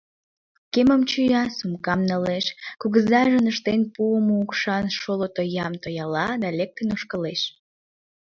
Кемым чия, сумкам налеш, кугызажын ыштен пуымо укшан шоло тоям тояла да лектын ошкылеш.